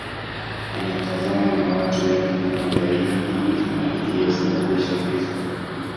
Anatazamwa na watu wengi kama gaidi aliyesababisha vifo